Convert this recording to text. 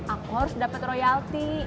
aku harus dapat royalti